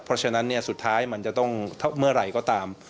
เพราะฉะนั้นสุดท้ายมันจะต้องเมื่อไหร่ก็ตาม